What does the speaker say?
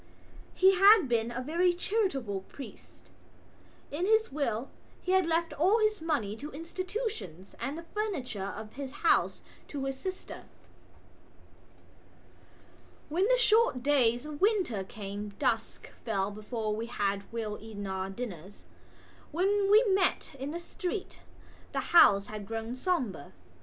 He had been a very charitable priest; in his will he had left all his money to institutions and the furniture of his house to his sister. When the short days of winter came dusk fell before we had well eaten our dinners. When we met in the street the houses had grown sombre.